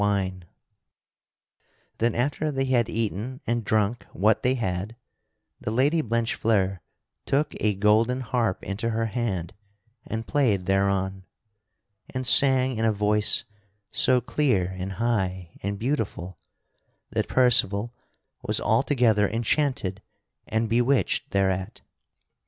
[Sidenote: The Lady sings to Sir Percival] Then after they had eaten and drunk what they had, the Lady Blanchefleur took a golden harp into her hand and played thereon, and sang in a voice so clear and high and beautiful that Percival was altogether enchanted and bewitched thereat.